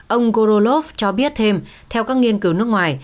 ông gorolov cho biết thêm theo các nghiên cứu nước ngoài